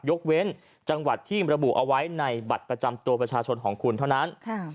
ยกเว้นจังหวัดที่ระบุเอาไว้ในบัตรประจำตัวประชาชนของคุณเท่านั้น